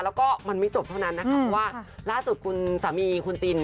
แล้วก็มันไม่จบเท่านั้นนะคะเพราะว่าล่าสุดคุณสามีคุณติน